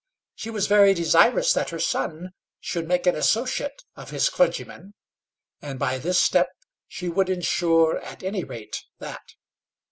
She was very desirous that her son should make an associate of his clergyman, and by this step she would insure, at any rate, that.